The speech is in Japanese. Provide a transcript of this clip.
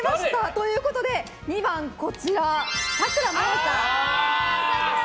ということで２番、さくらまやさん。